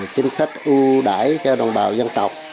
chính sách ưu đãi cho đồng bào dân tộc